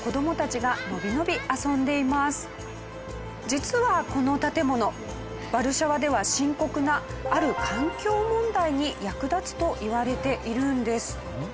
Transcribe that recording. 実はこの建物ワルシャワでは深刻なある環境問題に役立つといわれているんです。